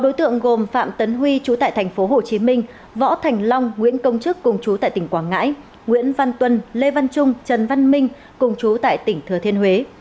bốn đối tượng gồm phạm tấn huy chú tại tp hcm võ thành long nguyễn công chức cùng chú tại tỉnh quảng ngãi nguyễn văn tuân lê văn trung trần văn minh cùng chú tại tỉnh thừa thiên huế